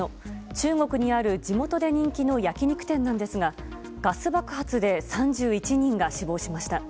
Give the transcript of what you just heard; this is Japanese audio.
中国にある地元で人気の焼き肉店なんですがガス爆発で３１人が死亡しました。